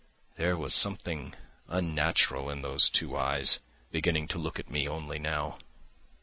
There was something unnatural in those two eyes, beginning to look at me only now.